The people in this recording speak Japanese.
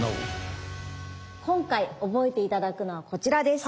今回覚えて頂くのはこちらです。